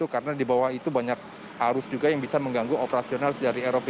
karena di bawah itu banyak arus juga yang bisa mengganggu operasional dari rov